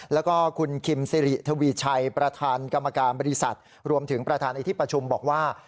แล้วก็คุณคิมสิริทวีชัยประธานกรรมการบริษัทรวมถึงประธานในที่ประชุมบอกว่า